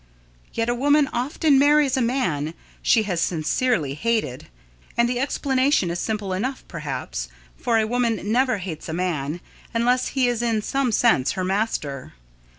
Yet a woman often marries a man she has sincerely hated, and the explanation is simple enough, perhaps, for a woman never hates a man unless he is in some sense her master.